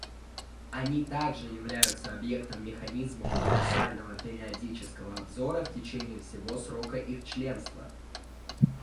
Они также являются объектом механизма универсального периодического обзора в течение всего срока их членства.